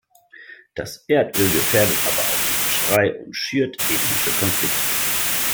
Das Erdöl gefährdet aber auch die Fischerei und schürt ethnische Konflikte.